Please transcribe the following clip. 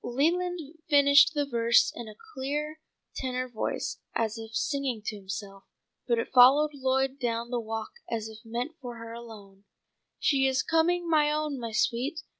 Leland finished the verse in a clear tenor voice as if singing to himself, but it followed Lloyd down the walk as if meant for her alone: "'She is coming, my own, my sweet!